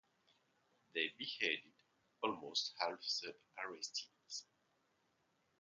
They beheaded almost half of the arrestees.